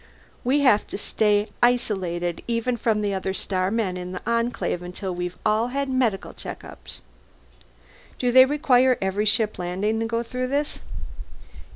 We have to stay isolated even from the other starmen in the Enclave until we've all had medical checkups." "Do they require every ship landing to go through this?"